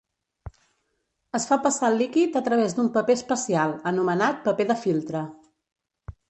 Es fa passar el líquid a través d'un paper especial, anomenat paper de filtre.